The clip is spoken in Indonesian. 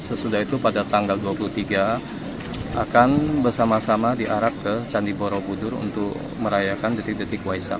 sesudah itu pada tanggal dua puluh tiga akan bersama sama diarak ke candi borobudur untuk merayakan detik detik waisak